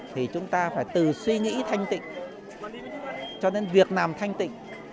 thì chúng ta phải từ suy nghĩ thanh tịnh cho đến việc làm thanh tịnh